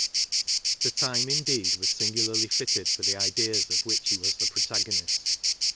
The time, indeed, was singularly fitted for the ideas of which he was the protagonist.